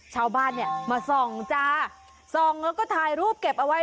ชาวบ้านเนี่ยมาส่องจ้าส่องแล้วก็ถ่ายรูปเก็บเอาไว้